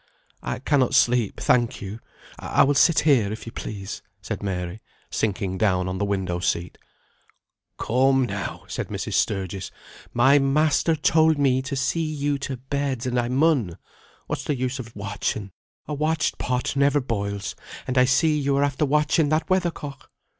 "I cannot sleep, thank you. I will sit here, if you please," said Mary, sinking down on the window seat. "Come, now," said Mrs. Sturgis, "my master told me to see you to bed, and I mun. What's the use of watching? A watched pot never boils, and I see you are after watching that weather cock.